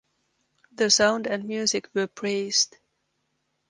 The sound and music were praised.